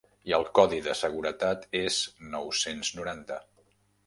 I el codi de seguretat és nou-cents noranta.